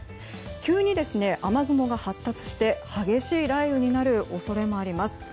急に雨雲が発達して激しい雷雨になる恐れもあります。